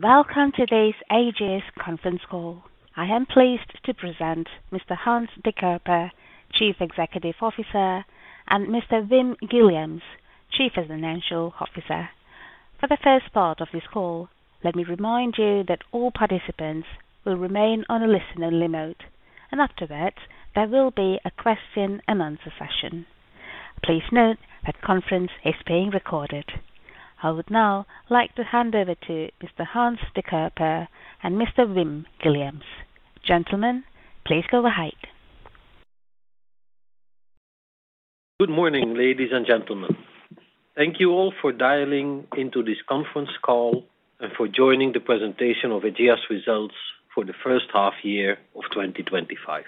Welcome to today's Ageas Conference Call. I am pleased to present Mr. Hans de Cuyper, Chief Executive Officer, and Mr. Wim Guilliams, Chief Financial Officer. For the first part of this call, let me remind you that all participants will remain on a listen-only mode, and after that, there will be a question-and-answer session. Please note that the conference is being recorded. I would now like to hand over to Mr. Hans de Cuyper and Mr. Wim Guilliams. Gentlemen, please go ahead. Good morning, ladies and gentlemen. Thank you all for dialing into this conference call and for joining the Presentation of Ageas Results for the First Half-Year of 2025.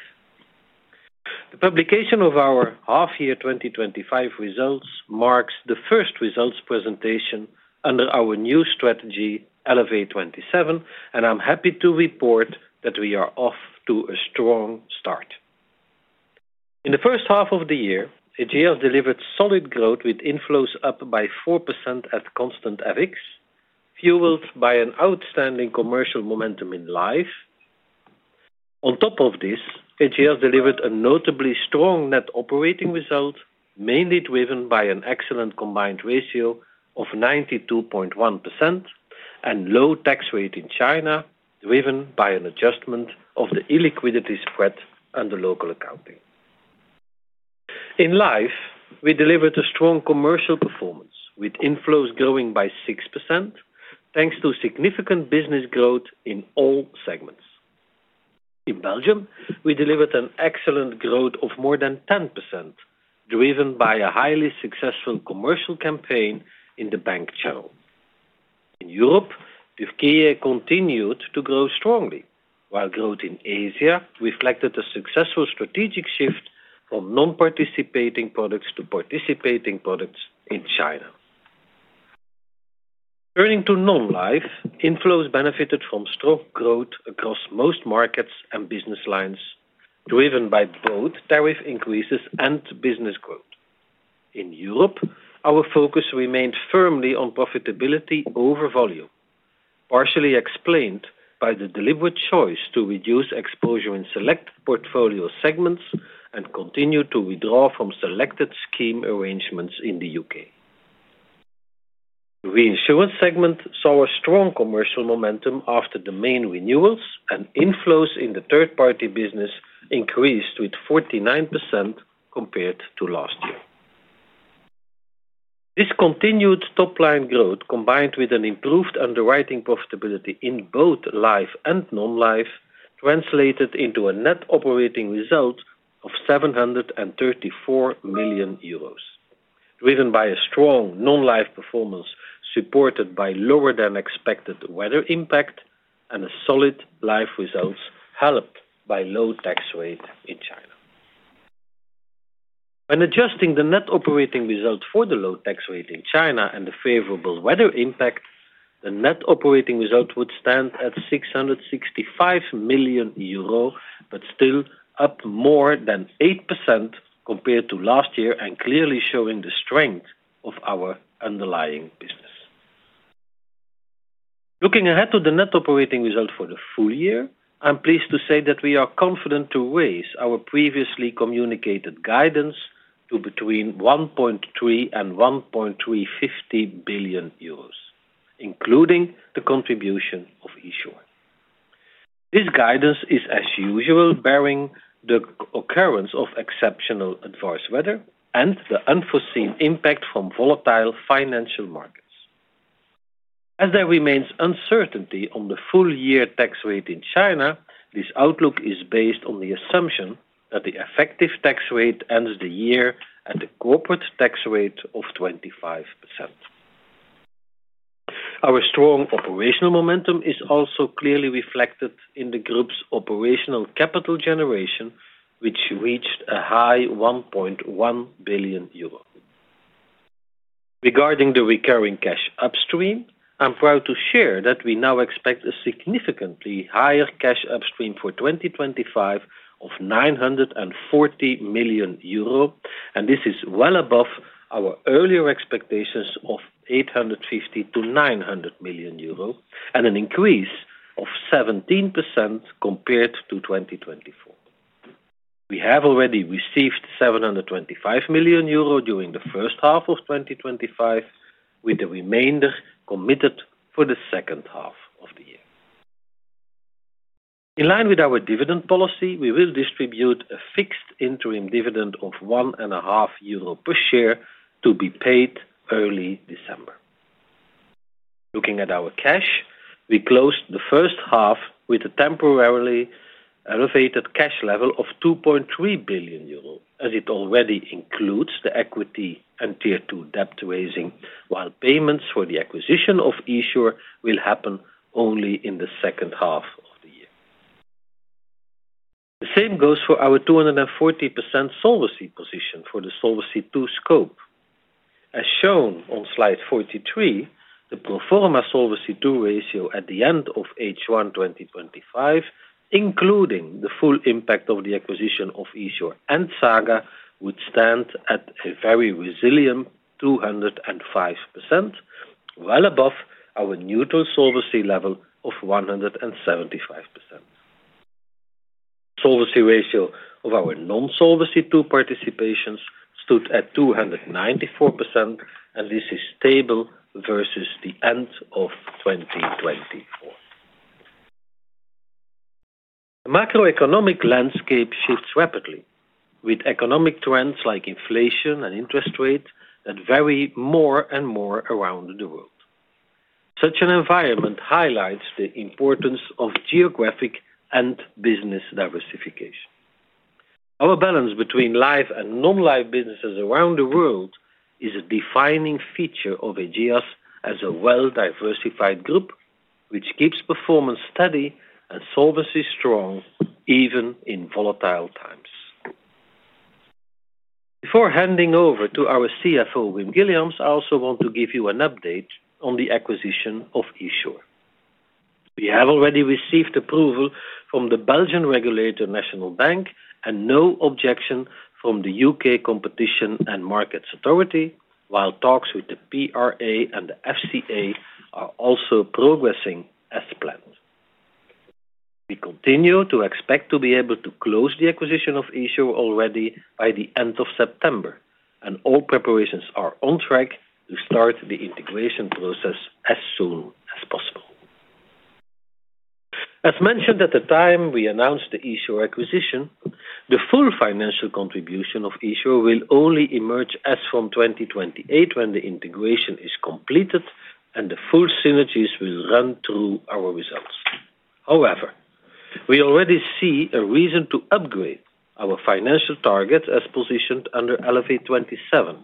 The publication of our half-year 2025 results marks the first results presentation under our new strategy, Elevate27, and I'm happy to report that we are off to a strong start. In the first half of the year, Ageas delivered solid growth with inflows up by 4% at constant FX, fueled by an outstanding commercial momentum in life. On top of this, Ageas delivered a notably strong net operating result, mainly driven by an excellent combined ratio of 92.1% and a low tax rate in China, driven by an adjustment of the illiquidities threat under local accounting. In life, we delivered a strong commercial performance with inflows growing by 6%, thanks to significant business growth in all segments. In Belgium, we delivered an excellent growth of more than 10%, driven by a highly successful commercial campaign in the bank channel. In Belgium, the U.K. continued to grow strongly, while growth in Asia reflected a successful strategic shift from non-participating products to participating products in China. Turning to non-life, inflows benefited from strong growth across most markets and business lines, driven by both tariff increases and business growth. In Belgium, our focus remained firmly on profitability over volume, partially explained by the deliberate choice to reduce exposure in select portfolio segments and continue to withdraw from selected scheme arrangements in the U.K. The reinsurance segment saw a strong commercial momentum after the main renewals, and inflows in the third-party business increased with 49% compared to last year. This continued top-line growth, combined with an improved underwriting profitability in both life and non-life, translated into a net operating result of 734 million euros, driven by a strong non-life performance supported by lower-than-expected weather impact and a solid life results helped by the low tax rate in China. When adjusting the net operating result for the low tax rate in China and the favorable weather impact, the net operating result would stand at 665 million euro, but still up more than 8% compared to last year and clearly showing the strength of our underlying business. Looking ahead to the net operating result for the full year, I'm pleased to say that we are confident to raise our previously communicated guidance to between 1.3 billion euros and EUR 1.35 billion, including the contribution of esure. This guidance is, as usual, bearing the occurrence of exceptional adverse weather and the unforeseen impact from volatile financial markets. As there remains uncertainty on the full-year tax rate in China, this outlook is based on the assumption that the effective tax rate ends the year at the corporate tax rate of 25%. Our strong operational momentum is also clearly reflected in the group's operational capital generation, which reached a high 1.1 billion euro. Regarding the recurring cash upstream, I'm proud to share that we now expect a significantly higher cash upstream for 2025 of 940 million euro, and this is well above our earlier expectations of 850 million-900 million euro and an increase of 17% compared to 2024. We have already received 725 million euro during the first half of 2025, with the remainder committed for the second half of the year. In line with our dividend policy, we will distribute a fixed interim dividend of 1.50 euro per share to be paid early December. Looking at our cash, we closed the first half with a temporarily elevated cash level of 2.3 billion euro, as it already includes the equity and tier-two debt raising, while payments for the acquisition of esure will happen only in the second half of the year. The same goes for our 240% solvency position for the Solvency II scope. As shown on slide 43, the pro forma Solvency II ratio at the end of H1 2025, including the full impact of the acquisition of esure and Saga, would stand at a very resilient 205%, well above our neutral solvency level of 175%. The solvency ratio of our non-Solvency II participations stood at 294%, and this is stable versus the end of 2024. The macroeconomic landscape shifts rapidly, with economic trends like inflation and interest rates that vary more and more around the world. Such an environment highlights the importance of geographic and business diversification. Our balance between life and non-life businesses around the world is a defining feature of Ageas as a well-diversified group, which keeps performance steady and solvency strong even in volatile times. Before handing over to our CFO, Wim Guilliams, I also want to give you an update on the acquisition of esure. We have already received approval from the Belgian regulator, National Bank, and no objection from the U.K. Competition and Markets Authority, while talks with the PRA and the FCA are also progressing as planned. We continue to expect to be able to close the acquisition of esure already by the end of September, and all preparations are on track to start the integration process as soon as possible. As mentioned at the time we announced the esure acquisition, the full financial contribution of esure will only emerge as from 2028 when the integration is completed, and the full synergies will run through our results. However, we already see a reason to upgrade our financial target as positioned under Elevate27.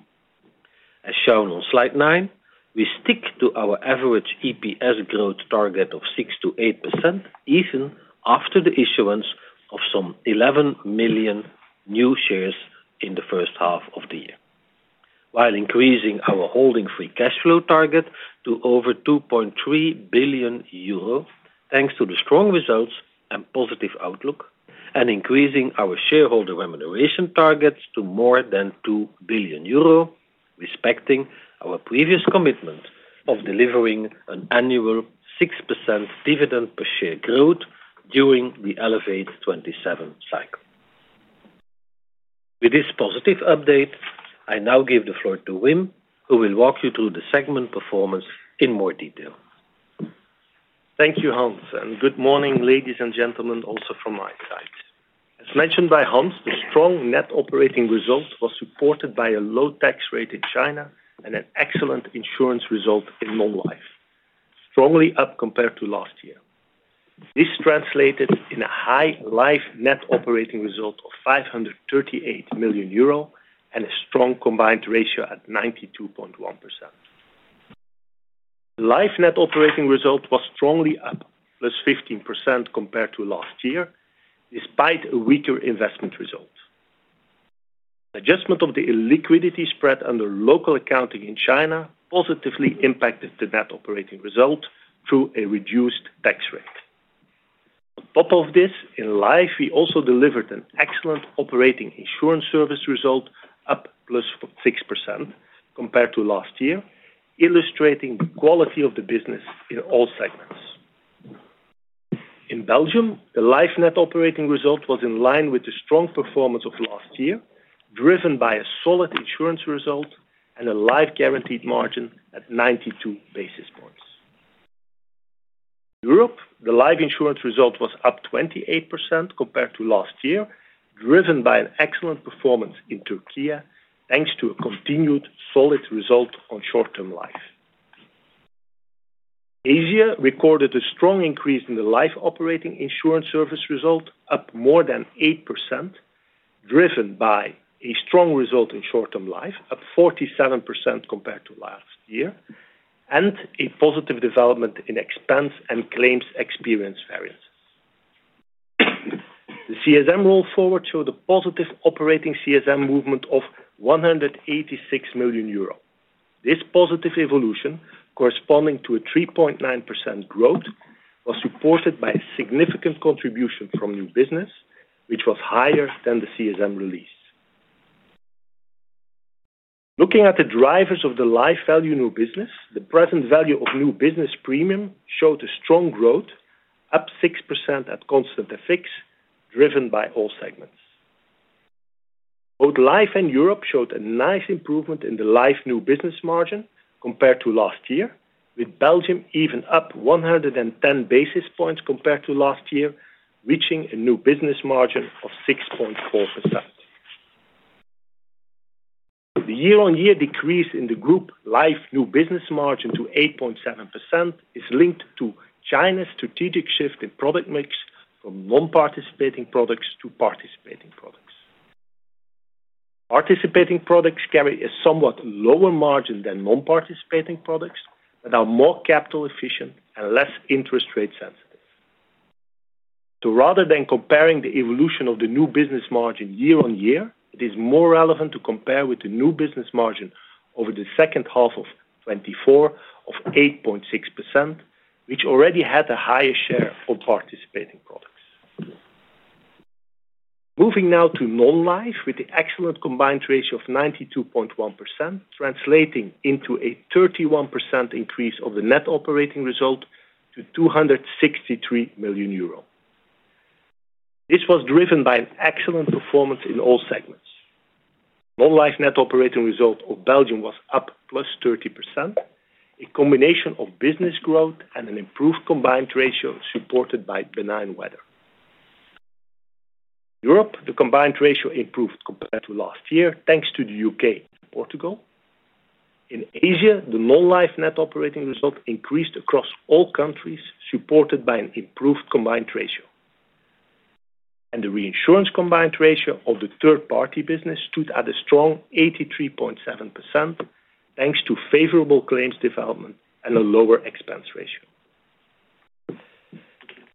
As shown on slide 9, we stick to our average EPS growth target of 6%-8%, even after the issuance of some 11 million new shares in the first half of the year, while increasing our holding free cash flow target to over 2.3 billion euro, thanks to the strong results and positive outlook, and increasing our shareholder remuneration targets to more than 2 billion euro, respecting our previous commitment of delivering an annual 6% dividend per share growth during the Elevate27 cycle. With this positive update, I now give the floor to Wim, who will walk you through the segment performance in more detail. Thank you, Hans, and good morning, ladies and gentlemen, also from my side. As mentioned by Hans, the strong net operating result was supported by a low tax rate in China and an excellent insurance result in non-life, strongly up compared to last year. This translated in a high life net operating result of 538 million euro and a strong combined ratio at 92.1%. The life net operating result was strongly up, +15% compared to last year, despite a weaker investment result. The adjustment of the illiquidity spread under local accounting in China positively impacted the net operating result through a reduced tax rate. On top of this, in life, we also delivered an excellent operating insurance service result, up +6% compared to last year, illustrating the quality of the business in all segments. In Belgium, the life net operating result was in line with the strong performance of last year, driven by a solid insurance result and a life guaranteed margin at 92 basis points. In Europe, the life insurance result was up 28% compared to last year, driven by an excellent performance in Turkey, thanks to a continued solid result on short-term life. Asia recorded a strong increase in the life operating insurance service result, up more than 8%, driven by a strong result in short-term life, up 47% compared to last year, and a positive development in expense and claims experience variance. The CSM roll forward showed a positive operating CSM movement of 186 million euro. This positive evolution, corresponding to a 3.9% growth, was supported by a significant contribution from new business, which was higher than the CSM release. Looking at the drivers of the life value new business, the present value of new business premium showed a strong growth, up 6% at constant FX, driven by all segments. Both life and Europe showed a nice improvement in the life new business margin compared to last year, with Belgium even up 110 basis points compared to last year, reaching a new business margin of 6.4%. The year-on-year decrease in the group life new business margin to 8.7% is linked to China's strategic shift in product mix from non-participating products to participating products. Participating products carry a somewhat lower margin than non-participating products and are more capital efficient and less interest rate sensitive. Rather than comparing the evolution of the new business margin year-on-year, it is more relevant to compare with the new business margin over the second half of 2024 of 8.6%, which already had a higher share of participating products. Moving now to non-life, with the excellent combined ratio of 92.1%, translating into a 31% increase of the net operating result to 263 million euro. This was driven by an excellent performance in all segments. The non-life net operating result of Belgium was up +30%, a combination of business growth and an improved combined ratio supported by benign weather. In Europe, the combined ratio improved compared to last year, thanks to the U.K. and Portugal. In Asia, the non-life net operating result increased across all countries, supported by an improved combined ratio. The reinsurance combined ratio of the third-party business stood at a strong 83.7%, thanks to favorable claims development and a lower expense ratio.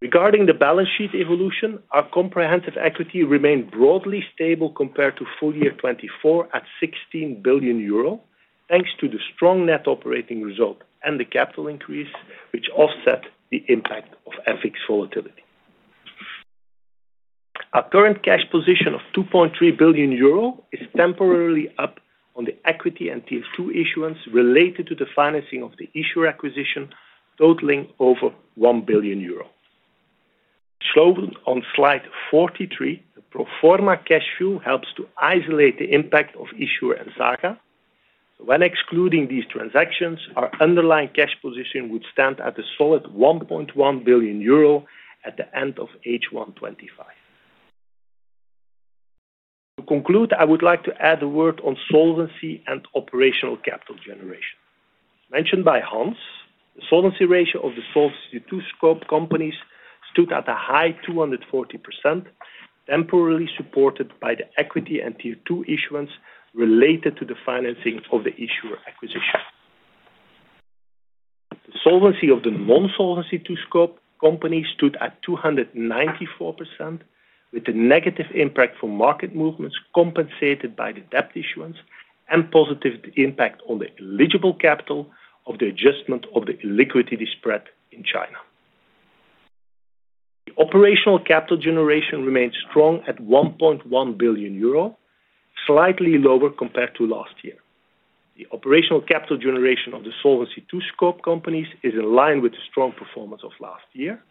Regarding the balance sheet evolution, our comprehensive equity remained broadly stable compared to full year 2024 at 16 billion euro, thanks to the strong net operating result and the capital increase, which offset the impact of FX volatility. Our current cash position of 2.3 billion euro is temporarily up on the equity and tier-two issuance related to the financing of the esure acquisition, totaling over 1 billion euro. As shown on slide 43, the pro forma cash flow helps to isolate the impact of esure and Saga. When excluding these transactions, our underlying cash position would stand at a solid 1.1 billion euro at the end of H1 2025. To conclude, I would like to add a word on solvency and operational capital generation. Mentioned by Hans, the solvency ratio of the Solvency II scope companies stood at a high 240%, temporarily supported by the equity and tier-two issuance related to the financing of the esure acquisition. The solvency of the non-Solvency II scope companies stood at 294%, with a negative impact from market movements compensated by the debt issuance and positive impact on the eligible capital of the adjustment of the illiquidity spread in China. The operational capital generation remains strong at 1.1 billion euro, slightly lower compared to last year. The operational capital generation of the Solvency II scope companies is in line with the strong performance of last year.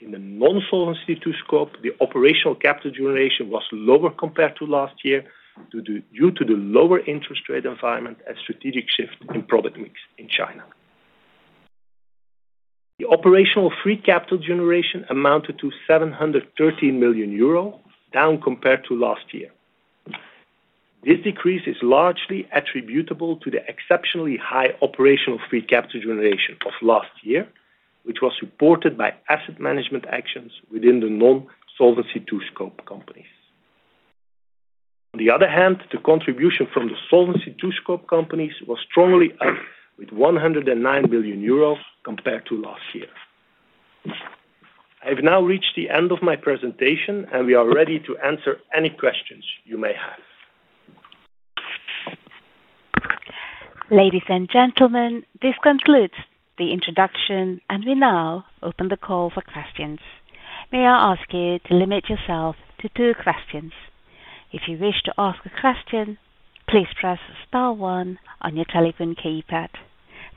In the non-Solvency II scope, the operational capital generation was lower compared to last year due to the lower interest rate environment and strategic shift in product mix in China. The operational free capital generation amounted to 713 million euro, down compared to last year. This decrease is largely attributable to the exceptionally high operational free capital generation of last year, which was supported by asset management actions within the non-Solvency II scope companies. On the other hand, the contribution from the Solvency II scope companies was strongly up with 109 million euros compared to last year. I have now reached the end of my presentation, and we are ready to answer any questions you may have. Ladies and gentlemen, this concludes the introduction, and we now open the call for questions. May I ask you to limit yourself to two questions. If you wish to ask a question, please press star one on your telephone keypad.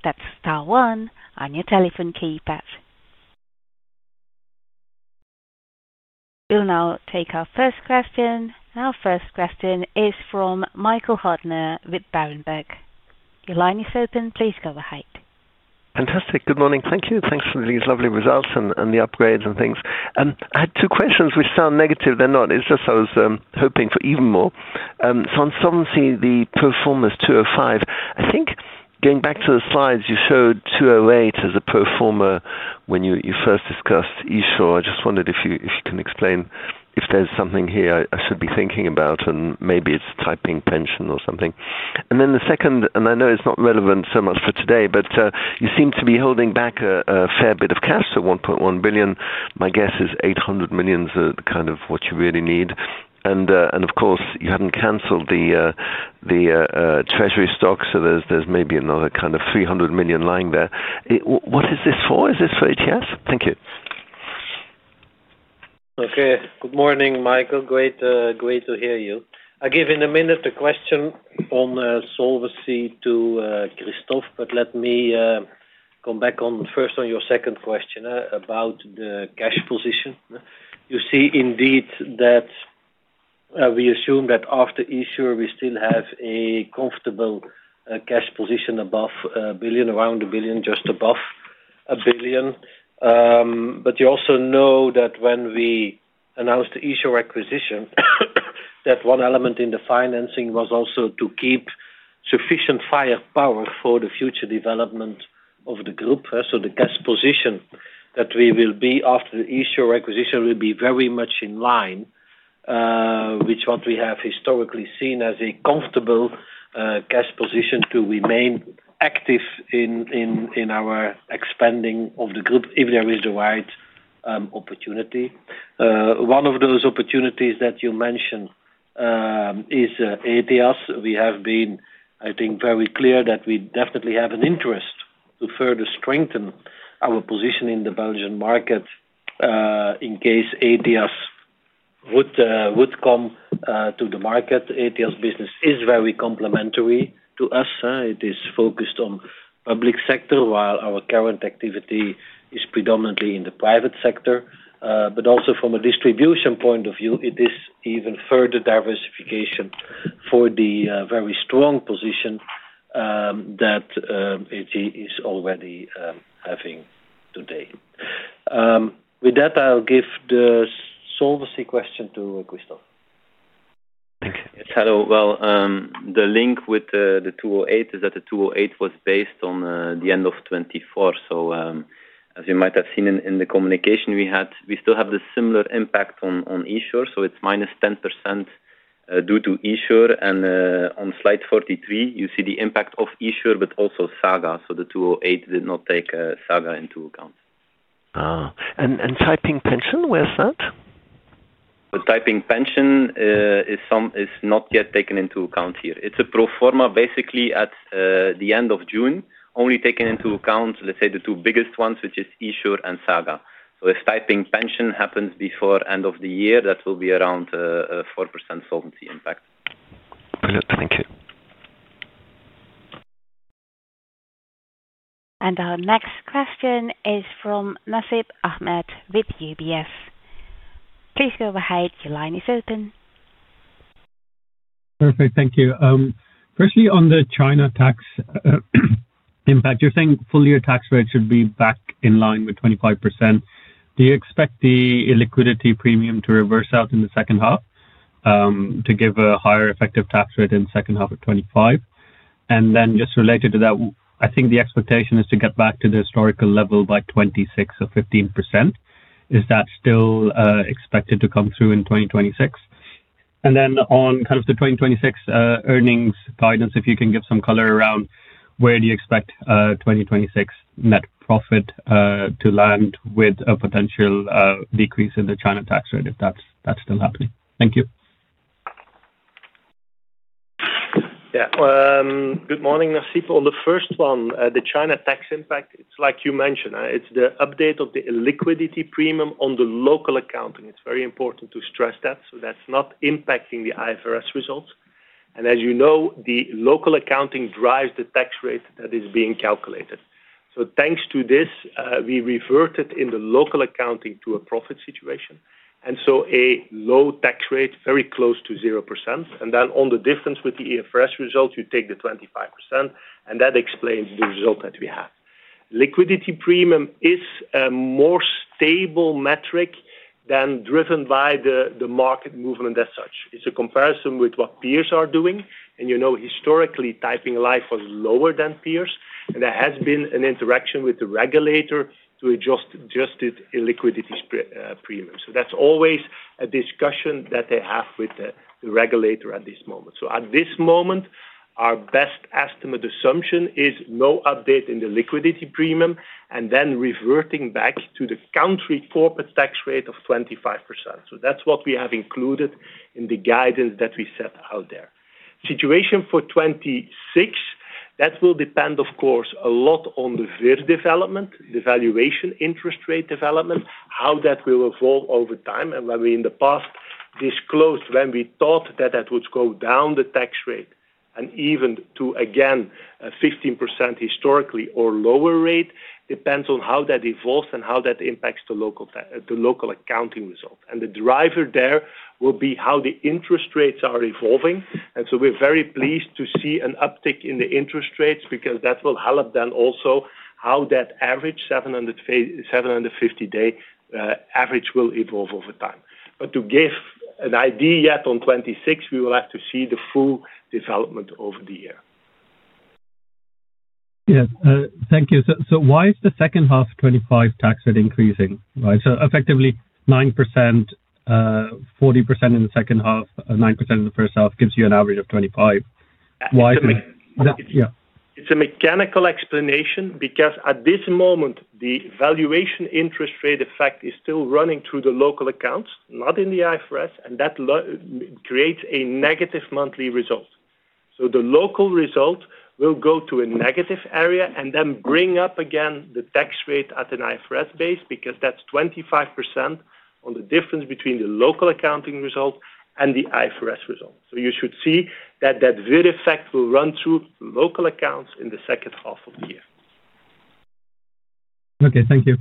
That's star one on your telephone keypad. We'll now take our first question. Our first question is from Michael Huttner with Berenberg. Your line is open. Please go ahead. Fantastic. Good morning. Thank you. Thanks for these lovely results and the upgrades and things. I had two questions, which sound negative. They're not. It's just I was hoping for even more. On Solvency II, the pro forma is 205. I think going back to the slides, you showed 208 as a pro forma when you first discussed esure. I just wondered if you can explain if there's something here I should be thinking about, and maybe it's Taiping pension or something. The second, I know it's not relevant so much for today, but you seem to be holding back a fair bit of cash. 1.1 billion, my guess is 800 million is kind of what you really need. Of course, you hadn't canceled the Treasury stocks, so there's maybe another kind of 300 million lying there. What is this for? Is this for ATS? Thank you. Okay. Good morning, Michael. Great to hear you. I'll give in a minute a question on Solvency II to Christophe, but let me come back first on your second question about the cash position. You see indeed that we assume that after esure, we still have a comfortable cash position above 1 billion, around 1 billion, just above 1 billion. You also know that when we announced the esure acquisition, one element in the financing was also to keep sufficient firepower for the future development of the group. The cash position that we will be after the esure acquisition will be very much in line with what we have historically seen as a comfortable cash position to remain active in our expanding of the group if there is the right opportunity. One of those opportunities that you mentioned is ATS. We have been, I think, very clear that we definitely have an interest to further strengthen our position in the Belgian market in case ATS would come to the market. ATS business is very complementary to us. It is focused on the public sector, while our current activity is predominantly in the private sector. Also from a distribution point of view, it is even further diversification for the very strong position that AG is already having today. With that, I'll give the solvency question to Christophe. Thanks. Yes, hello. The link with the 208 is that the 208 was based on the end of 2024. As you might have seen in the communication we had, we still have the similar impact on esure. It's -10% due to esure. On slide 43, you see the impact of esure, but also Saga. The 208 did not take Saga into account. Taiping pension, where's that? The Taiping pension is not yet taken into account here. It's a pro forma basically at the end of June, only taking into account, let's say, the two biggest ones, which is esure and Saga. If Taiping pension happens before end of the year, that will be around a 4% solvency impact. Brilliant. Thank you. Our next question is from Nasib Ahmed with UBS. Please go ahead. Your line is open. Perfect. Thank you. Firstly, on the China tax impact, you're saying full-year tax rate should be back in line with 25%. Do you expect the illiquidity premium to reverse out in the second half to give a higher effective tax rate in the second half of 2025? Just related to that, I think the expectation is to get back to the historical level by 26% or 15%. Is that still expected to come through in 2026? On the 2026 earnings guidance, if you can give some color around where you expect 2026 net profit to land with a potential decrease in the China tax rate if that's still happening. Thank you. Yeah. Good morning, Nasib. On the first one, the China tax impact, it's like you mentioned. It's the update of the illiquidity premium on the local accounting. It's very important to stress that. That's not impacting the IFRS results. As you know, the local accounting drives the tax rate that is being calculated. Thanks to this, we reverted in the local accounting to a profit situation and a low tax rate, very close to 0%. On the difference with the IFRS result, you take the 25%, and that explains the result that we have. Liquidity premium is a more stable metric than driven by the market movement as such. It's a comparison with what peers are doing. You know, historically, Taiping Life was lower than peers. There has been an interaction with the regulator to adjust its illiquidity premium. That's always a discussion that they have with the regulator at this moment. At this moment, our best estimate assumption is no update in the liquidity premium and then reverting back to the country corporate tax rate of 25%. That's what we have included in the guidance that we set out there. Situation for 2026, that will depend, of course, a lot on the VIR development, the valuation interest rate development, how that will evolve over time. When we in the past disclosed when we thought that that would go down the tax rate and even to, again, a 15% historically or lower rate, it depends on how that evolves and how that impacts the local accounting result. The driver there will be how the interest rates are evolving. We're very pleased to see an uptick in the interest rates because that will help then also how that average 750-day average will evolve over time. To give an idea yet on 2026, we will have to see the full development over the year. Thank you. Why is the second half of 2025 tax rate increasing? Right? Effectively, 9%, 40% in the second half, 9% in the first half gives you an average of 25%. Why is it? Yeah. It's a mechanical explanation because at this moment, the valuation interest rate effect is still running through the local accounts, not in the IFRS, and that creates a negative monthly result. The local result will go to a negative area and then bring up again the tax rate at an IFRS base because that's 25% on the difference between the local accounting result and the IFRS result. You should see that that valuation interest rate effect will run through local accounts in the second half of the year. Okay, thank you.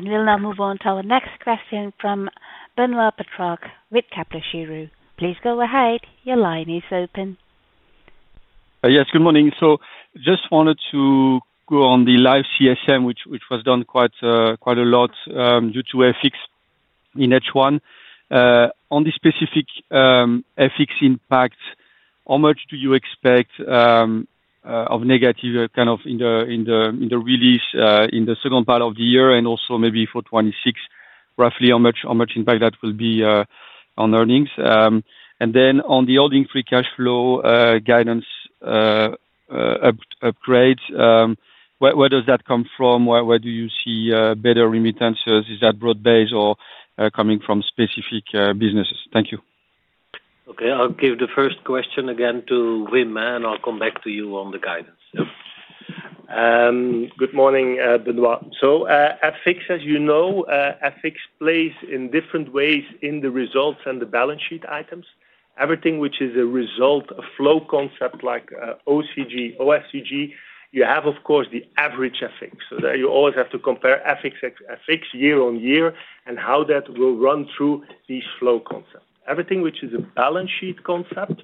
We'll now move on to our next question from Benoit Petrarque with Kepler Cheuvreux. Please go ahead. Your line is open. Yes. Good morning. I just wanted to go on the live CSM, which was done quite a lot due to at constant FX in H1. On the specific at constant FX impact, how much do you expect of negative kind of in the release in the second part of the year, and also maybe for 2026, roughly how much impact that will be on earnings? On the holding free cash flow guidance upgrades, where does that come from? Where do you see better remittances? Is that broad-based or coming from specific businesses? Thank you. Okay. I'll give the first question again to Wim, and I'll come back to you on the guidance. Good morning, Benoit. As you know, at constant FX plays in different ways in the results and the balance sheet items. Everything which is a result, a flow concept like OCG, OFCG, you have, of course, the average at constant FX. You always have to compare at constant FX year-on-year and how that will run through these flow concepts. Everything which is a balance sheet concept,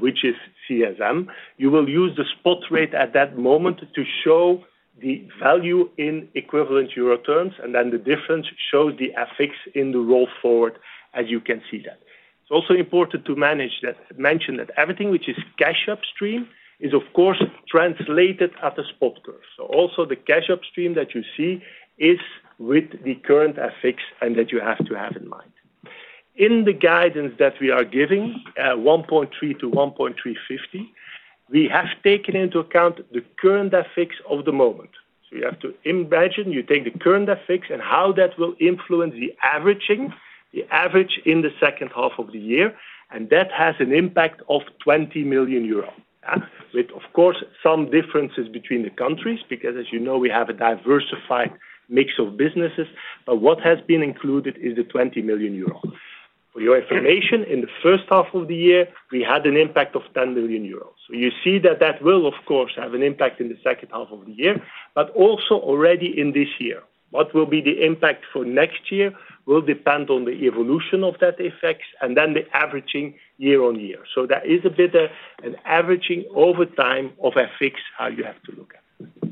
which is CSM, you will use the spot rate at that moment to show the value in equivalent euro terms, and then the difference shows the at constant FX in the roll forward, as you can see that. It's also important to mention that everything which is cash upstream is, of course, translated at a spot curve. Also, the cash upstream that you see is with the current at constant FX and that you have to have in mind. In the guidance that we are giving, 1.3-1.350, we have taken into account the current at constant FX of the moment. You have to imagine you take the current at constant FX and how that will influence the averaging, the average in the second half of the year, and that has an impact of 20 million euros, with, of course, some differences between the countries because, as you know, we have a diversified mix of businesses. What has been included is the 20 million euro. For your information, in the first half of the year, we had an impact of 10 million euros. You see that that will, of course, have an impact in the second half of the year, but also already in this year. What will be the impact for next year will depend on the evolution of that at constant FX and then the averaging year-on-year. That is a bit of an averaging over time of at constant FX, how you have to look at it.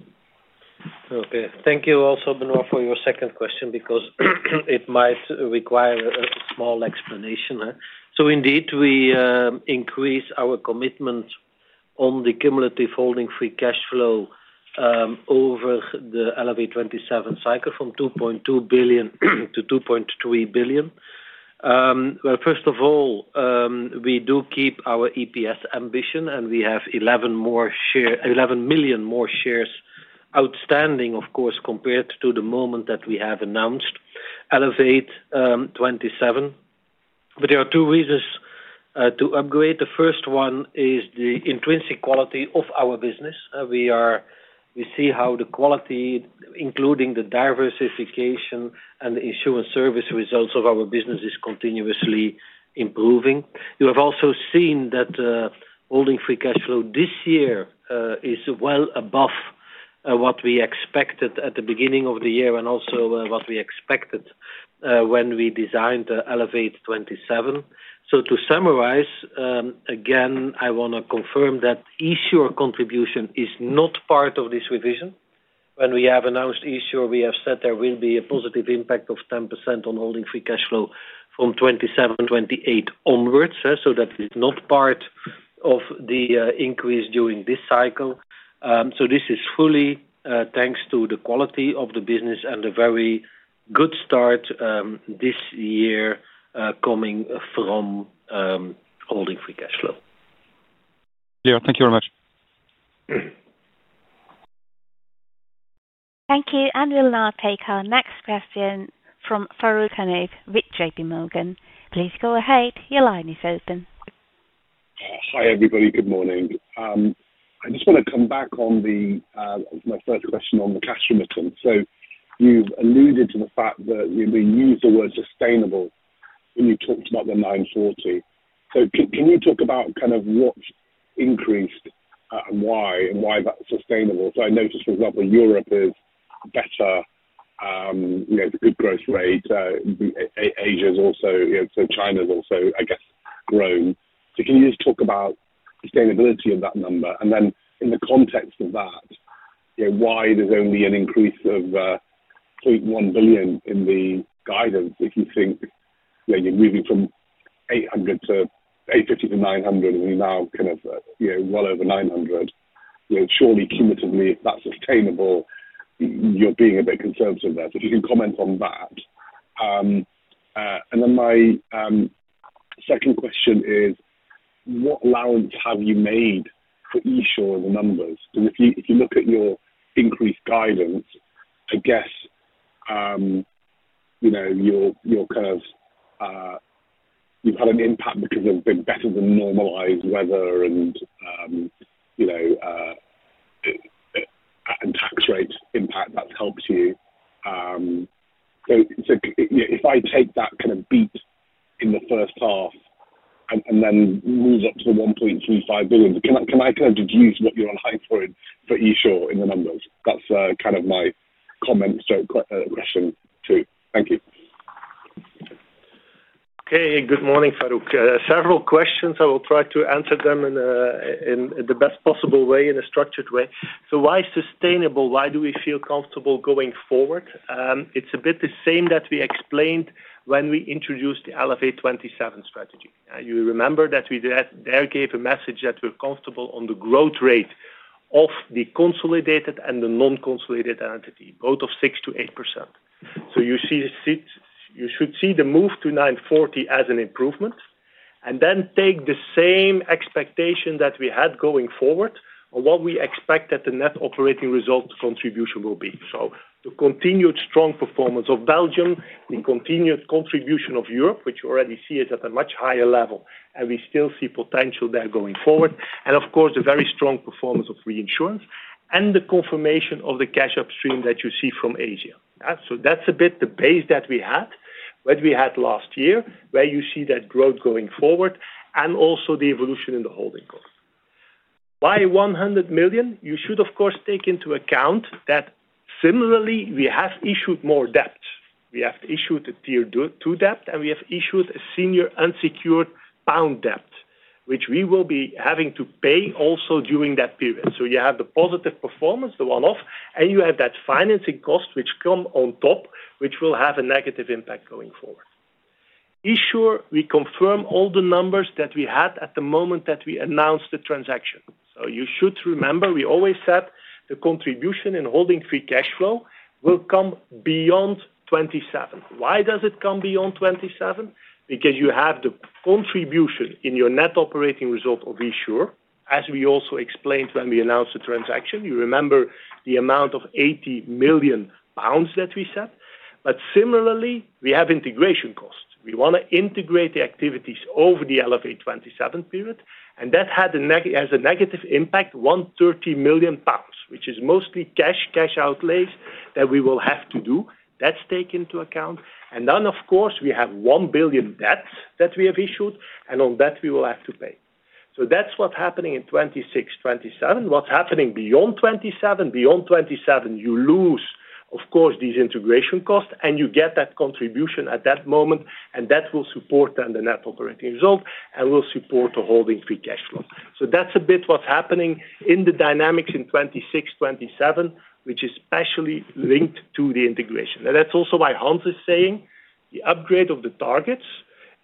Okay. Thank you also, Benoit, for your second question because it might require a small explanation. Indeed, we increase our commitment on the cumulative holding free cash flow over the Elevate27 cycle from 2.2 billion-2.3 billion. First of all, we do keep our EPS ambition, and we have 11 million more shares outstanding, of course, compared to the moment that we have announced Elevate27. There are two reasons to upgrade. The first one is the intrinsic quality of our business. We see how the quality, including the diversification and the insurance service results of our business, is continuously improving. You have also seen that holding free cash flow this year is well above what we expected at the beginning of the year and also what we expected when we designed Elevate27. To summarize, again, I want to confirm that esure contribution is not part of this revision. When we have announced esure, we have said there will be a positive impact of 10% on holding free cash flow from 2027, 2028 onwards. That is not part of the increase during this cycle. This is fully thanks to the quality of the business and the very good start this year coming from holding free cash flow. Thank you very much. Thank you. We'll now take our next question from Farooq Hanif with JPMorgan. Please go ahead. Your line is open. Hi, everybody. Good morning. I just want to come back on my first question on the cash remittance. You've alluded to the fact that you've been using the word sustainable when you talked about the 940. Can you talk about what increased and why and why that's sustainable? I noticed, for example, Belgium is better. It's a good growth rate. Asia is also, you know, so China is also, I guess, growing. Can you just talk about sustainability of that number? In the context of that, why there's only an increase of 0.1 billion in the guidance if you think, yeah, you're moving from 800-850-900, and you're now kind of, you know, well over 900. Surely cumulatively, if that's sustainable, you're being a bit conservative there. If you can comment on that. My second question is, what allowance have you made for esure in the numbers? If you look at your increased guidance, I guess, you know, you've had an impact because you're a bit better than normalized weather and, you know, and tax rate impact that's helped you. If I take that kind of beat in the first half and then move it to the 1.35 billion, can I just use your own hype for esure in the numbers? That's my comment, so quite a question too. Thank you. Okay. Good morning, Farooq. Several questions. I will try to answer them in the best possible way, in a structured way. Why sustainable? Why do we feel comfortable going forward? It's a bit the same that we explained when we introduced the Elevate27 strategy. You remember that we there gave a message that we're comfortable on the growth rate of the consolidated and the non-consolidated entity, both of 6%-8%. You should see the move to 940 as an improvement and then take the same expectation that we had going forward on what we expect that the net operating result contribution will be. The continued strong performance of Belgium, the continued contribution of Europe, which you already see is at a much higher level, and we still see potential there going forward. Of course, the very strong performance of reinsurance and the confirmation of the cash upstream that you see from Asia. That's a bit the base that we had, what we had last year, where you see that growth going forward and also the evolution in the holding cost. By 100 million, you should, of course, take into account that similarly, we have issued more debt. We have issued a tier 2 debt, and we have issued a senior unsecured pound debt, which we will be having to pay also during that period. You have the positive performance, the one-off, and you have that financing cost, which come on top, which will have a negative impact going forward. esure, we confirm all the numbers that we had at the moment that we announced the transaction. You should remember, we always said the contribution in holding free cash flow will come beyond 2027. Why does it come beyond 2027? Because you have the contribution in your net operating result of esure, as we also explained when we announced the transaction. You remember the amount of 80 million pounds that we set. Similarly, we have integration cost. We want to integrate the activities over the Elevate27 period, and that has a negative impact, 130 million pounds, which is mostly cash outlays that we will have to do. That's taken into account. Of course, we have 1 billion debts that we have issued, and on that, we will have to pay. That's what's happening in 2026, 2027. What's happening beyond 2027? Beyond 2027, you lose, of course, these integration costs, and you get that contribution at that moment, and that will support then the net operating result and will support the holding free cash flow. That's a bit what's happening in the dynamics in 2026, 2027, which is especially linked to the integration. That's also why Hans is saying the upgrade of the targets,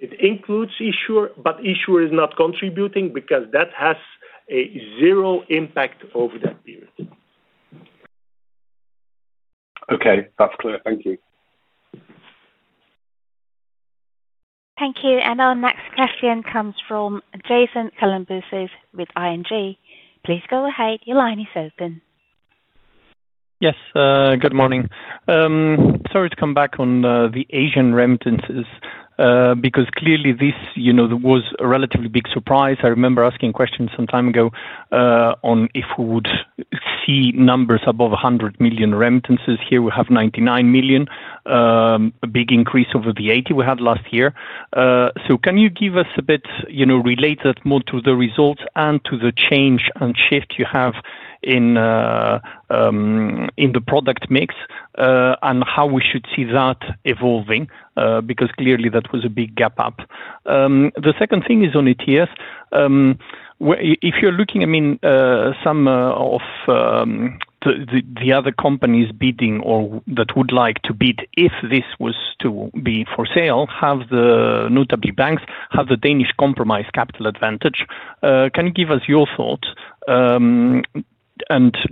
it includes esure, but esure is not contributing because that has a zero impact over that period. Okay, that's clear. Thank you. Thank you. Our next question comes from Jason Kalamboussis with ING. Please go ahead. Your line is open. Yes. Good morning. Sorry to come back on the Asian remittances because clearly, this was a relatively big surprise. I remember asking questions some time ago on if we would see numbers above 100 million remittances. Here, we have 99 million, a big increase over the 80 million we had last year. Can you give us a bit, relate that more to the results and to the change and shift you have in the product mix and how we should see that evolving? Clearly, that was a big gap up. The second thing is on ATS. If you're looking, I mean, some of the other companies bidding or that would like to bid if this was to be for sale, have the notable banks, have the Danish Compromise capital advantage. Can you give us your thoughts?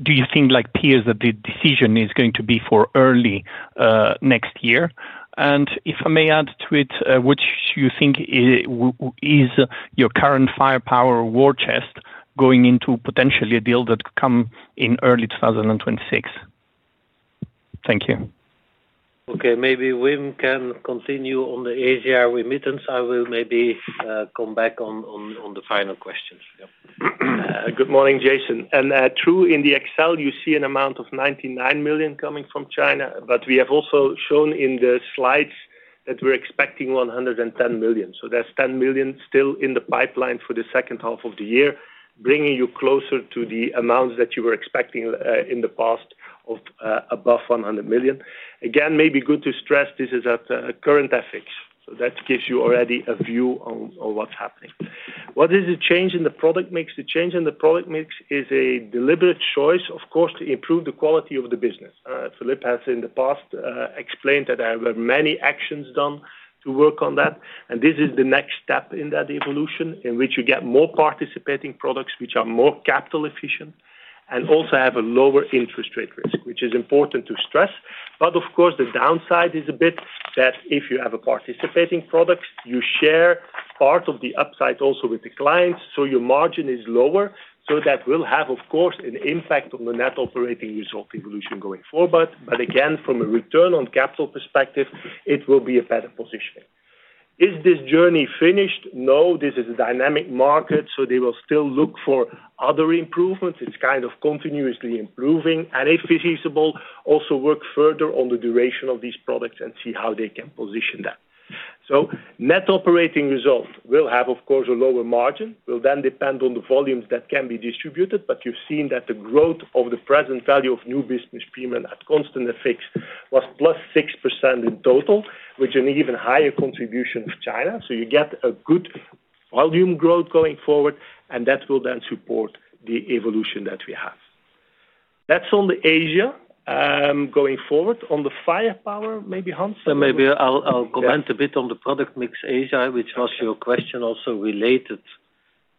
Do you think, like peers, that the decision is going to be for early next year? If I may add to it, what do you think is your current firepower war chest going into potentially a deal that comes in early 2026? Thank you. Okay. Maybe Wim can continue on the Asia remittance. I will maybe come back on the final questions. Good morning, Jason. True, in the Excel, you see an amount of 99 million coming from China, but we have also shown in the slides that we're expecting 110 million. That's 10 million still in the pipeline for the second half of the year, bringing you closer to the amounts that you were expecting in the past of above 100 million. Maybe good to stress this is at current exchange rates. That gives you already a view on what's happening. What is the change in the product mix? The change in the product mix is a deliberate choice, of course, to improve the quality of the business. Filip has in the past explained that there were many actions done to work on that. This is the next step in that evolution in which you get more participating products, which are more capital efficient, and also have a lower interest rate risk, which is important to stress. Of course, the downside is a bit that if you have participating products, you share part of the upside also with the clients, so your margin is lower. That will have, of course, an impact on the net operating result evolution going forward. From a return on capital perspective, it will be a better position. Is this journey finished? No, this is a dynamic market, so they will still look for other improvements. It's kind of continuously improving. If it's feasible, also work further on the duration of these products and see how they can position that. Net operating result will have, of course, a lower margin. It will then depend on the volumes that can be distributed. You've seen that the growth of the present value of new business premium at constant exchange rates was +6% in total, which is an even higher contribution of China. You get a good volume growth going forward, and that will then support the evolution that we have. That's on the Asia going forward. On the firepower, maybe, Hans? Maybe I'll comment a bit on the product mix in Asia, which was your question also related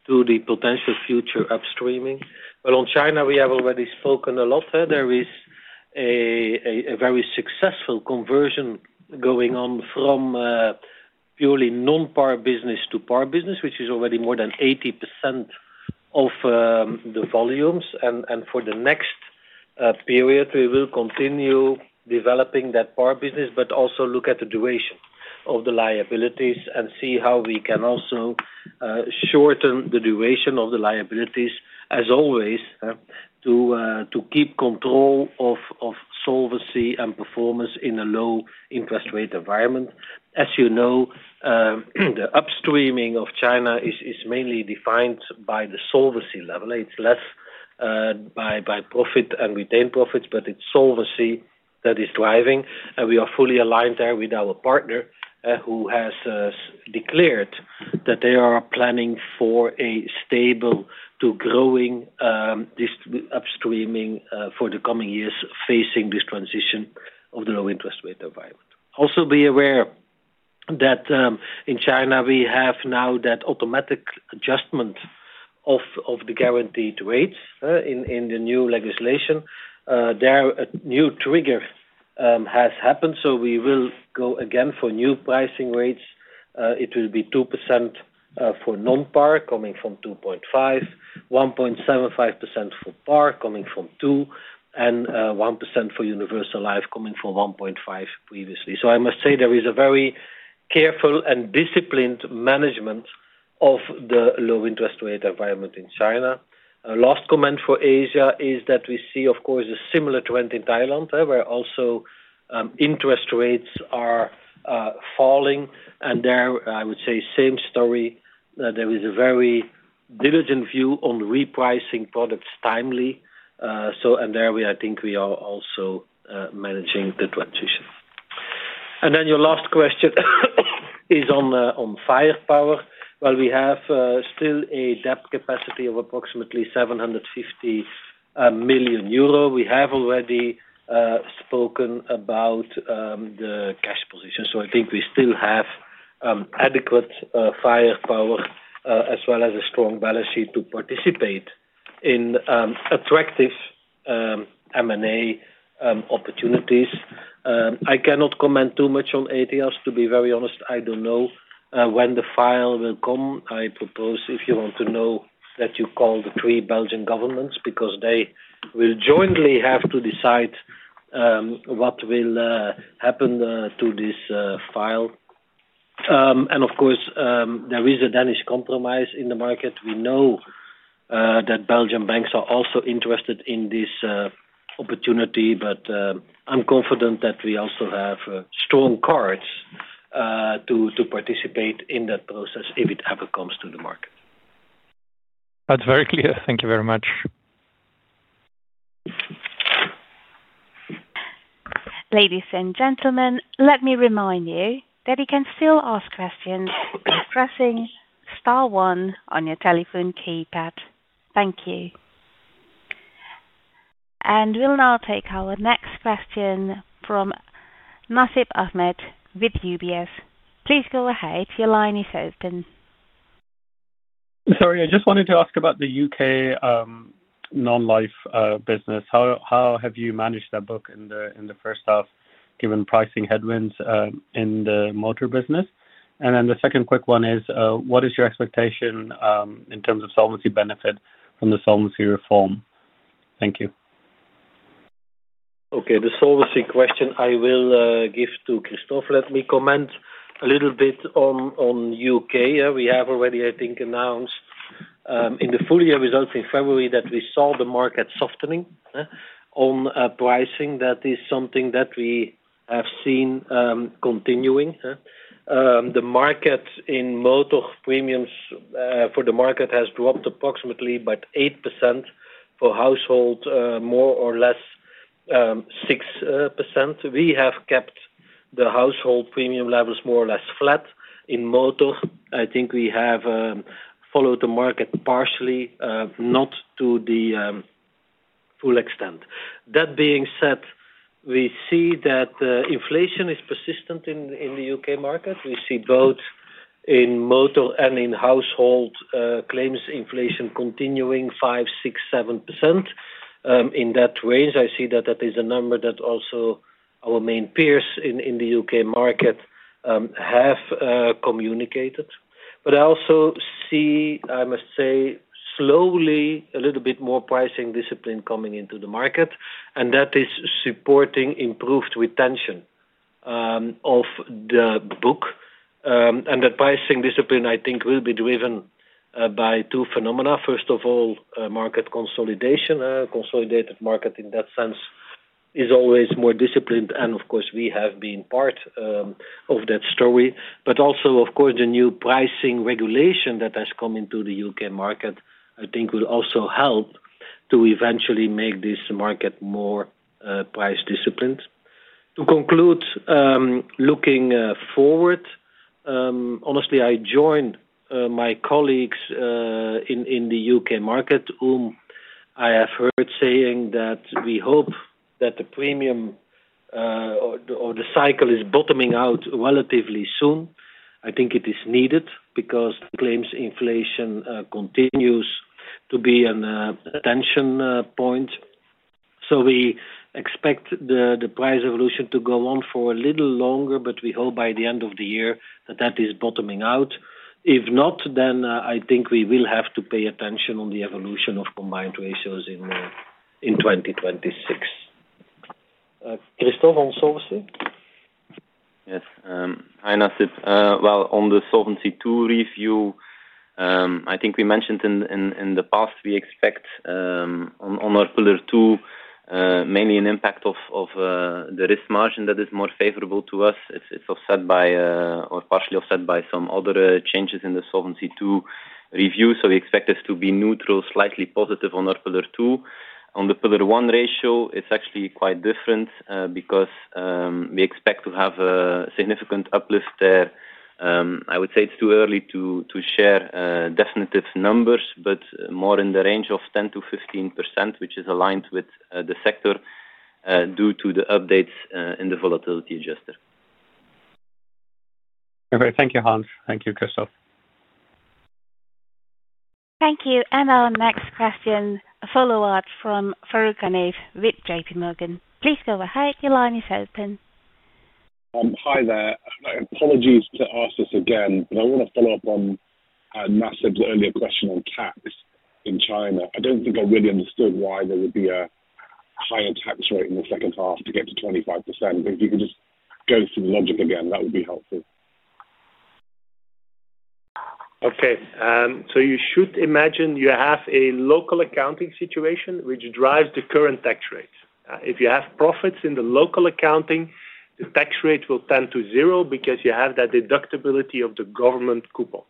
to the potential future upstreaming. On China, we have already spoken a lot. There is a very successful conversion going on from purely non-power business to power business, which is already more than 80% of the volumes. For the next period, we will continue developing that power business, but also look at the duration of the liabilities and see how we can also shorten the duration of the liabilities, as always, to keep control of solvency and performance in a low interest rate environment. As you know, the upstreaming of China is mainly defined by the solvency level. It's left by profit and retained profits, but it's solvency that is driving. We are fully aligned there with our partner who has declared that they are planning for a stable to growing upstreaming for the coming years facing this transition of the low interest rate environment. Also, be aware that in China, we have now that automatic adjustment of the guaranteed rate in the new legislation. There, a new trigger has happened. We will go again for new pricing rates. It will be 2% for non-power coming from 2.5%, 1.75% for power coming from 2%, and 1% for universal life coming from 1.5% previously. I must say there is a very careful and disciplined management of the low interest rate environment in China. Last comment for Asia is that we see, of course, a similar trend in Thailand, where also interest rates are falling. There, I would say, same story. There is a very diligent view on repricing products timely. There, I think we are also managing the transition. Your last question is on firepower. We have still a debt capacity of approximately 750 million euro. We have already spoken about the cash position. I think we still have adequate firepower as well as a strong balance sheet to participate in attractive M&A opportunities. I cannot comment too much on Ageas. To be very honest, I don't know when the file will come. I propose, if you want to know, that you call the three Belgian governments because they will jointly have to decide what will happen to this file. Of course, there is a Danish Compromise in the market. We know that Belgian banks are also interested in this opportunity, but I'm confident that we also have strong cards to participate in that process if it ever comes to the market. That's very clear. Thank you very much. Ladies and gentlemen, let me remind you that you can still ask questions by pressing star one on your telephone keypad. Thank you. We'll now take our next question from Nasib Ahmed with UBS. Please go ahead. Your line is open. I just wanted to ask about the U.K. non-life business. How have you managed that book in the first half, given pricing headwinds in the motor business? The second quick one is, what is your expectation in terms of solvency benefit from the Solvency II reform? Thank you. Okay. The solvency question I will give to Christophe. Let me comment a little bit on the U.K. We have already, I think, announced in the full-year results in February that we saw the market softening on pricing. That is something that we have seen continuing. The market in motor premiums for the market has dropped approximately about 8% for household, more or less 6%. We have kept the household premium levels more or less flat in motor. I think we have followed the market partially, not to the full extent. That being said, we see that inflation is persistent in the U.K market. We see both in motor and in household claims inflation continuing 5%, 6%, 7% in that range. I see that that is a number that also our main peers in the U.K. market have communicated. I also see, I must say, slowly a little bit more pricing discipline coming into the market, and that is supporting improved retention of the book. That pricing discipline, I think, will be driven by two phenomena. First of all, market consolidation. A consolidated market in that sense is always more disciplined. Of course, we have been part of that story. Also, of course, the new pricing regulation that has come into the U.K. market, I think, will also help to eventually make this market more price disciplined. To conclude, looking forward, honestly, I join my colleagues in the U.K. market whom I have heard saying that we hope that the premium or the cycle is bottoming out relatively soon. I think it is needed because claims inflation continues to be an attention point. We expect the price evolution to go on for a little longer, but we hope by the end of the year that that is bottoming out. If not, then I think we will have to pay attention on the evolution of combined ratios in 2026. Christophe, on solvency? Yes. Hi, Nasib. On the Solvency II review, I think we mentioned in the past we expect on our Pillar II mainly an impact of the risk margin that is more favorable to us. It's offset by or partially offset by some other changes in the Solvency II review. We expect this to be neutral, slightly positive on our Pillar II. On the Pillar I ratio, it's actually quite different because we expect to have a significant uplift there. I would say it's too early to share definitive numbers, but more in the range of 10%-15%, which is aligned with the sector due to the updates in the volatility adjuster. Okay. Thank you, Hans. Thank you, Christophe. Thank you. Our next question, a follow-up from Farooq Hanif with JPMorgan. Please go ahead. Your line is open. Hi there. Apologies to ask this again, but I was going to follow up on Nasib's earlier question on tax in China. I don't think I really understood why there would be a higher tax rate in the second half to get to 25%. If you could just go through the logic again, that would be helpful. Okay. You should imagine you have a local accounting situation which drives the current tax rate. If you have profits in the local accounting, the tax rate will tend to 0% because you have that deductibility of the government coupons.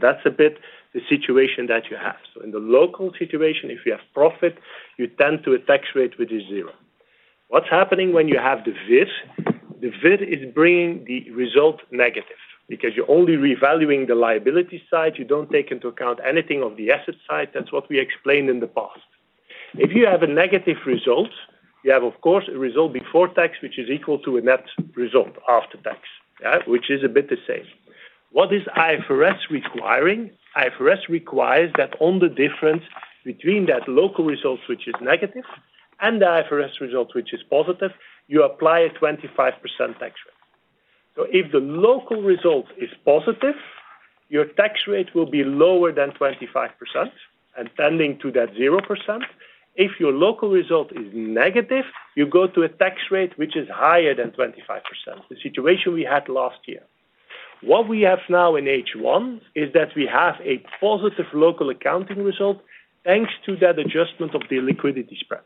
That's a bit the situation that you have. In the local situation, if you have profit, you tend to a tax rate which is 0%. What's happening when you have the VIR? The VIR is bringing the result negative because you're only revaluing the liability side. You don't take into account anything of the asset side. That's what we explained in the past. If you have a negative result, you have, of course, a result before tax which is equal to a net result after tax, which is a bit the same. What is IFRS requiring? IFRS requires that on the difference between that local result, which is negative, and the IFRS result, which is positive, you apply a 25% tax rate. If the local result is positive, your tax rate will be lower than 25% and tending to that 0%. If your local result is negative, you go to a tax rate which is higher than 25%, the situation we had last year. What we have now in H1 is that we have a positive local accounting result thanks to that adjustment of the liquidity spread.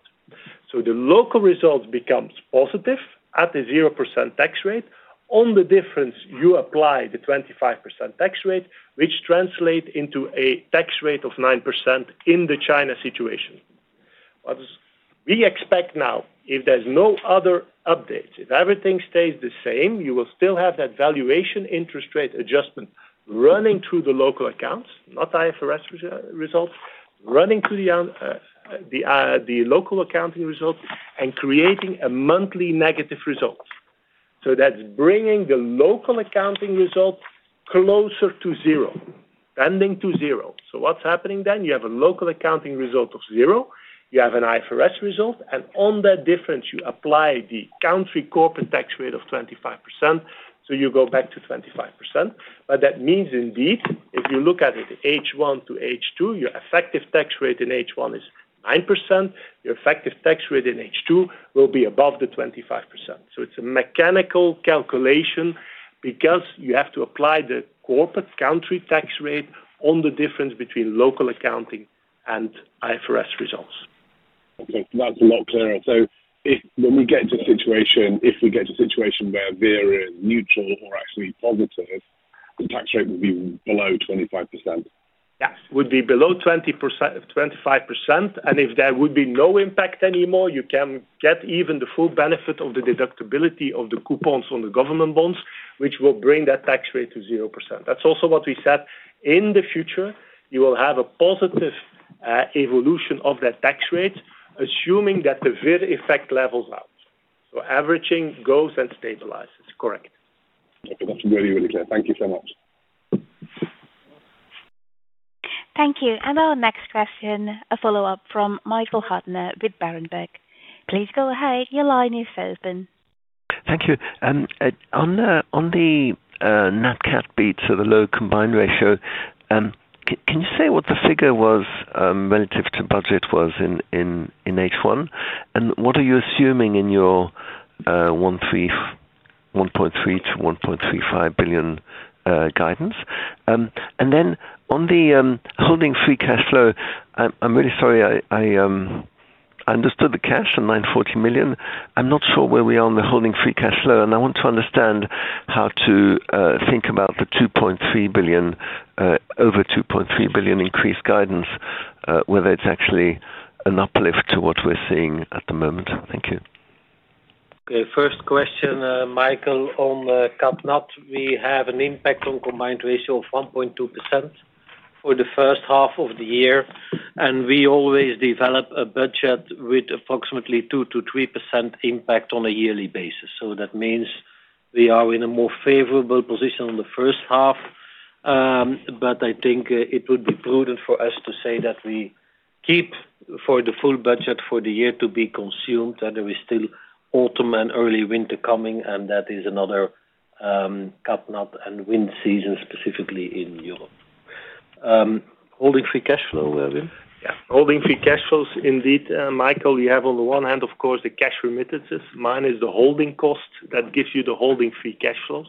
The local result becomes positive at the 0% tax rate. On the difference, you apply the 25% tax rate, which translates into a tax rate of 9% in the China situation. What we expect now, if there's no other updates, if everything stays the same, you will still have that valuation interest rate adjustment running through the local accounts, not IFRS result, running through the local accounting result and creating a monthly negative result. That's bringing the local accounting result closer to zero, tending to zero. What's happening then? You have a local accounting result of zero. You have an IFRS result. On that difference, you apply the country corporate tax rate of 25%. You go back to 25%. That means indeed, if you look at it, H1-H2, your effective tax rate in H1 is 9%. Your effective tax rate in H2 will be above the 25%. It's a mechanical calculation because you have to apply the corporate country tax rate on the difference between local accounting and IFRS results. Okay. That's a lot clearer. When we get to a situation, if we get to a situation where VIR is neutral or actually positive, the tax rate would be below 25%. Yes. It would be below 25%. If there would be no impact anymore, you can get even the full benefit of the deductibility of the coupons on the government bonds, which will bring that tax rate to 0%. That's also what we said. In the future, you will have a positive evolution of that tax rate, assuming that the VIR effect levels out. Averaging goes and stabilizes. Correct. Okay. That's really, really clear. Thank you so much. Thank you. Our next question, a follow-up from Michael Huttner with Berenberg. Please go ahead. Your line is open. Thank you. On the net CAP beats, so the low combined ratio, can you say what the figure was relative to budget in H1? What are you assuming in your 1.3 billion-1.35 billion guidance? On the holding free cash flow, I'm really sorry. I understood the cash and 940 million. I'm not sure where we are on the holding free cash flow. I want to understand how to think about the 2.3 billion, over 2.3 billion increased guidance, whether it's actually an uplift to what we're seeing at the moment. Thank you. Okay. First question, Michael, on the CAP. We have an impact on combined ratio of 1.2% for the first half of the year. We always develop a budget with approximately 2%-3% impact on a yearly basis. That means we are in a more favorable position on the first half. I think it would be prudent for us to say that we keep for the full budget for the year to be consumed and there is still autumn and early winter coming. That is another CAP and wind season, specifically in Europe. Holding free cash flow, Wim. Yeah. Holding free cash flows, indeed, Michael, you have on the one hand, of course, the cash remittances. Minus the holding cost, that gives you the holding free cash flows.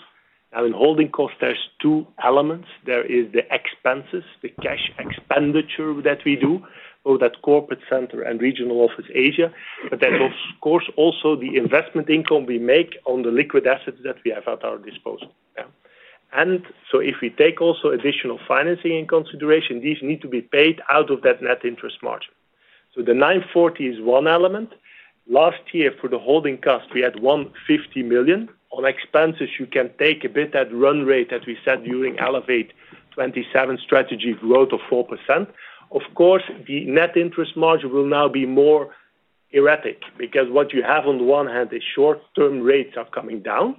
In holding cost, there's two elements. There is the expenses, the cash expenditure that we do, both at Corporate Center and Regional Office Asia, but then, of course, also the investment income we make on the liquid assets that we have at our disposal. If we take also additional financing in consideration, these need to be paid out of that net interest margin. The 940 million is one element. Last year, for the holding cost, we had 150 million. On expenses, you can take a bit that run rate that we said during Elevate27 strategy, growth of 4%. The net interest margin will now be more erratic because what you have on the one hand is short-term rates are coming down.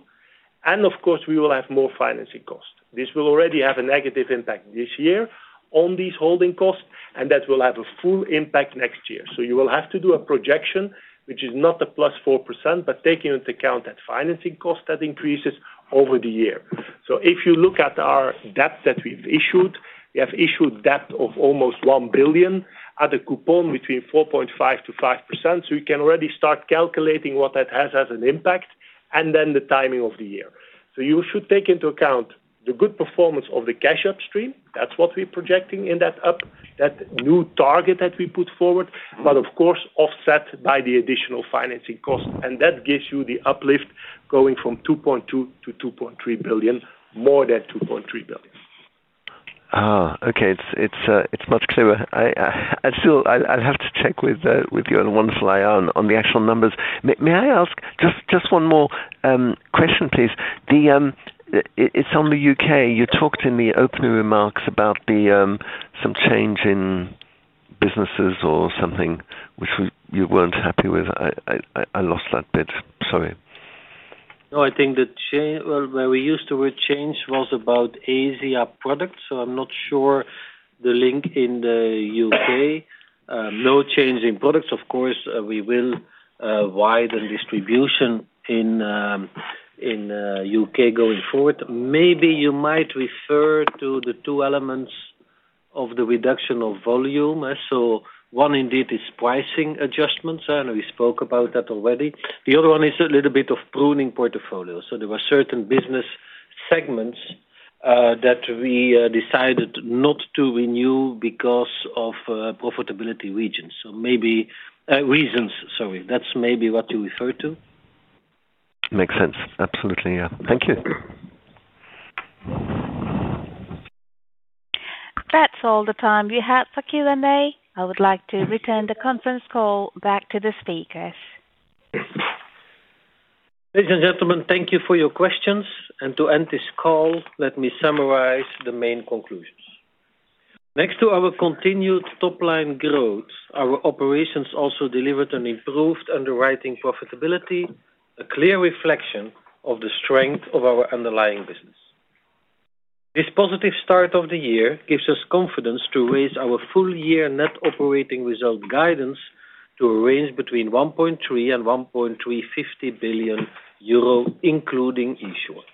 We will have more financing costs. This will already have a negative impact this year on these holding costs, and that will have a full impact next year. You will have to do a projection, which is not a +4%, but taking into account that financing cost that increases over the year. If you look at our debts that we've issued, we have issued debt of almost 1 billion, at a coupon between 4.5%-5%. You can already start calculating what that has as an impact and then the timing of the year. You should take into account the good performance of the cash upstream. That's what we're projecting in that new target that we put forward, but, of course, offset by the additional financing cost. That gives you the uplift going from 2.2 billion to more than 2.3 billion. Okay. It's much clearer. I'll have to check with you on one fly on the actual numbers. May I ask just one more question, please? It's on the U.K. You talked in the opening remarks about some change in businesses or something which you weren't happy with. I lost that bit. Sorry. No, I think the change where we used the word change was about Asia products. I'm not sure the link in the U.K. No change in products. Of course, we will widen distribution in the U.K. going forward. Maybe you might refer to the two elements of the reduction of volume. One indeed is pricing adjustments, and we spoke about that already. The other one is a little bit of pruning portfolio. There were certain business segments that we decided not to renew because of profitability reasons. That's maybe what you refer to. Makes sense. Absolutely. Thank you. That's all the time we had for Q&A. I would like to return the conference call back to the speakers. Ladies and gentlemen, thank you for your questions. To end this call, let me summarize the main conclusions. Thanks to our continued top-line growth, our operations also delivered an improved underwriting profitability, a clear reflection of the strength of our underlying business. This positive start of the year gives us confidence to raise our full-year net operating result guidance to a range between 1.3 billion euro and EUR 1.35 billion, including esure.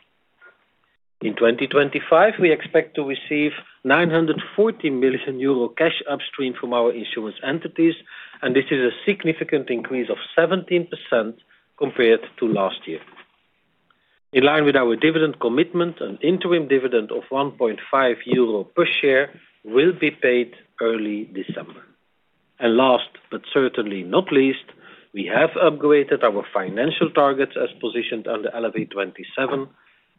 In 2025, we expect to receive 940 million euro cash upstream from our insurance entities, and this is a significant increase of 17% compared to last year. In line with our dividend commitment, an interim dividend of 1.5 euro per share will be paid early December. Last but certainly not least, we have upgraded our financial targets as positioned under Elevate27,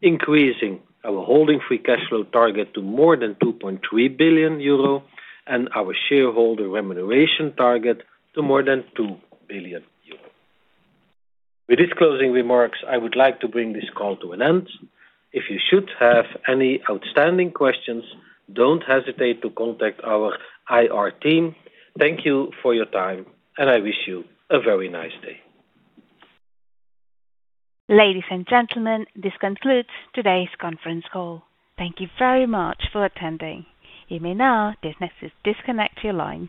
increasing our holding free cash flow target to more than 2.3 billion euro and our shareholder remuneration target to more than 2 billion euro. With these closing remarks, I would like to bring this call to an end. If you should have any outstanding questions, don't hesitate to contact our IR team. Thank you for your time, and I wish you a very nice day. Ladies and gentlemen, this concludes today's conference call. Thank you very much for attending. You may now disconnect your line.